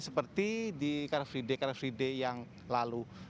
seperti di car free day car free day yang lalu